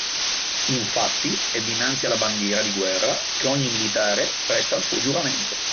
Infatti è dinanzi alla bandiera di guerra che ogni militare presta il suo giuramento.